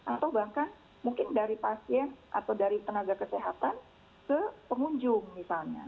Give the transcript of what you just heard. atau bahkan mungkin dari pasien atau dari tenaga kesehatan ke pengunjung misalnya